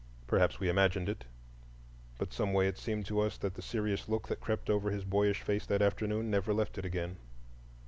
Perhaps we imagined it, but someway it seemed to us that the serious look that crept over his boyish face that afternoon never left it again.